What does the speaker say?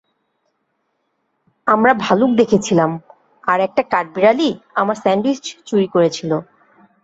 আমরা ভালুক দেখেছিলাম আর একটা কাঠবিড়ালি আমার স্যান্ডউইচ চুরি করেছিল।